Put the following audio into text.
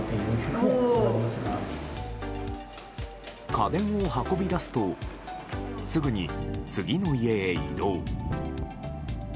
家電を運び出すとすぐに次の家へ移動。